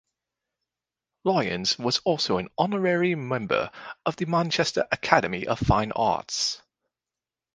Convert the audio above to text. Lyons was also an Honorary member of the Manchester Academy of Fine Arts.